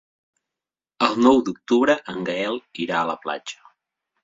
El nou d'octubre en Gaël irà a la platja.